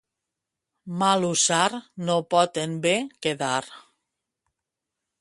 Mal usar no pot en bé quedar.